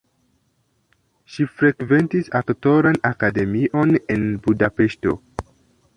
Ŝi frekventis aktoran akademion en Budapeŝto.